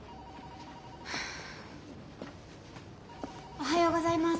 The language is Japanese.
おはようございます。